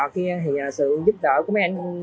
thì sự giúp đỡ của mấy anh